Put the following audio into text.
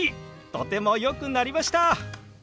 とてもよくなりました！